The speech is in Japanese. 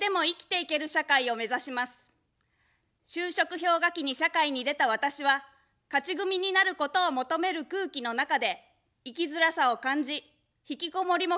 就職氷河期に社会に出た私は、勝ち組になることを求める空気の中で生きづらさを感じ、引きこもりも経験しました。